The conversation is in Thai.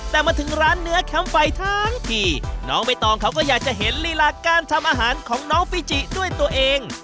แต่มาถึงร้านเนื้อแคมป์ไฟทั้งทีน้องใบตองเขาก็อยากจะเห็นลีลาการทำอาหารของน้องฟิจิด้วยตัวเอง